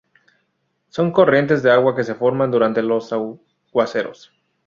Son corrientes de agua que se forman durante los aguaceros.